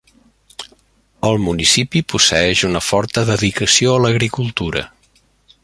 El municipi posseeix una forta dedicació a l'agricultura.